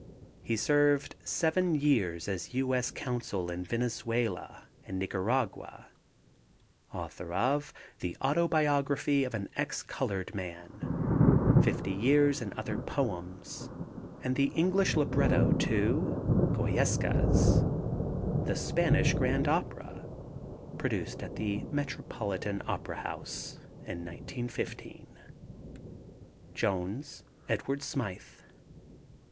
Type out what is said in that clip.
He served seven years as U. S. Consul in Venezuela and Nicaragua. Author of The Autobiography of an Ex colored Man, Fifty Years and Other Poems, and the English libretto to Goyescas, the Spanish grand opera, produced at the Metropolitan Opera House in 1915. JONES, EDWARD SMYTH.